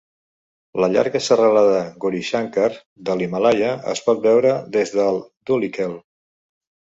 La llarga serralada Gaurishankar de l'Himàlaia es pot veure des de Dhulikhel.